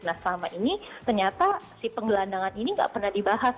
nah selama ini ternyata si penggelandangan ini nggak pernah dibahas